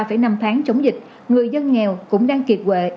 trong ba năm tháng chống dịch người dân nghèo cũng đang kiệt huệ